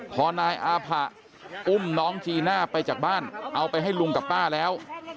พอนายอาผะอุ้มน้องจีน่าไปจากบ้านเอาไปให้ลุงกับป้าแล้ว